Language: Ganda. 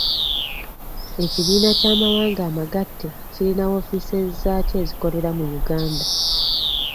Ekibiina ky'amawanga amagatte kirina woofiises zaakyo ezikolera mu Uganda.